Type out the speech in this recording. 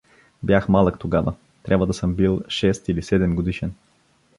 Бях малък тогава, трябва да съм бил шест или седемгодишен.